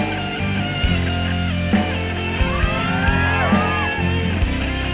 ขอบคุณค่ะ